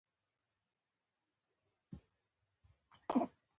اصیل انسان هېڅ وخت نه خطا کېږي.